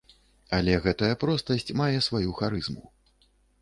Але гэтая простасць мае сваю харызму.